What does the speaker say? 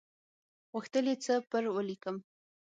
غوښتل یې څه پر ولیکم.